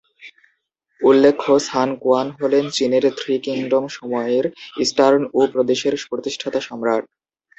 উল্লেখ্য, Sun Quan হলেন চীনের থ্রি কিংডম সময়ের ইস্টার্ন উ প্রদেশের প্রতিষ্ঠাতা সম্রাট।